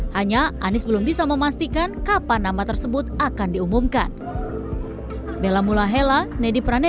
hanya anies belum bisa memastikan kapan nama tersebut akan diumumkan